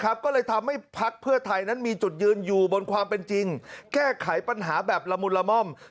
ก็เลยทำให้พักเพื่อไทยนั้นมีจุดยืนอยู่บนความเป็นจริงแก้ไขปัญหาแบบละมุนละม่อม